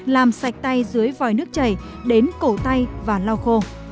làm sạch tay dưới vòi nước chảy đến cổ tay và lau khô